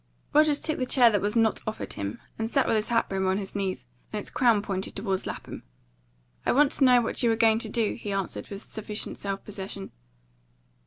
Rogers took the chair that was not offered him, and sat with his hat brim on his knees, and its crown pointed towards Lapham. "I want to know what you are going to do," he answered with sufficient self possession.